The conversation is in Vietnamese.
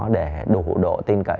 để đủ độ tin cậy